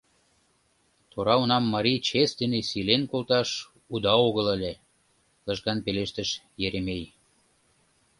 — Тора унам марий чес дене сийлен колташ уда огыл ыле... — лыжган пелештыш Еремей.